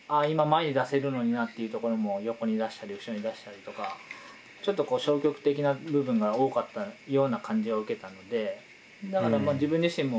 今前に出せるのになっていうところも横に出したり後ろに出したりとかちょっと消極的な部分が多かったような感じは受けたのでだから。